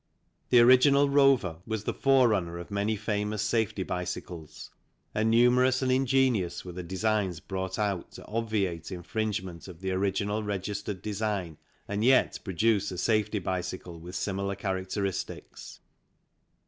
The original " Rover " was the forerunner of many famous safety bicycles, and numerous and ingenious were the designs brought out to obviate infringement of the original registered design and yet produce a safety bicycle with similar characteristics.